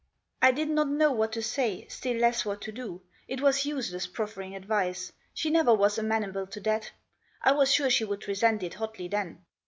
I did not know what to say, still less what to do. It was useless proffering advice. She never was amenable to that. I was sure she would resent it hotly then.